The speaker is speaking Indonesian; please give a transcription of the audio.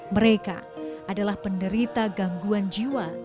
mereka adalah penderita gangguan jiwa